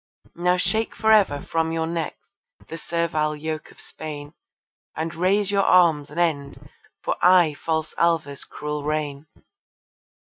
Now shake for ever from your necks the servile yoke of Spain, And raise your arms and end for aye false Alva's cruel reign.